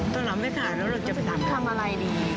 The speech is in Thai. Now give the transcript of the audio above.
ถ้าเราไม่ขายแล้วเราจะไปทำอะไรดี